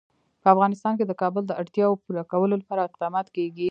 په افغانستان کې د کابل د اړتیاوو پوره کولو لپاره اقدامات کېږي.